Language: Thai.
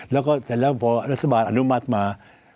แล้วพอรัฐบาลอนุมัติมา